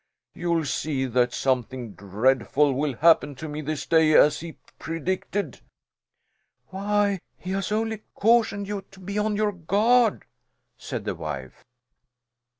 You'll see that something dreadful will happen to me this day, as he has predicted." "Why he has only cautioned you to be on your guard," said the wife.